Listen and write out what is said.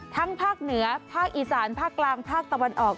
ภาคเหนือภาคอีสานภาคกลางภาคตะวันออก